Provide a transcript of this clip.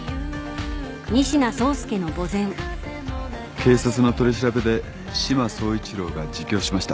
警察の取り調べで志摩総一郎が自供しました。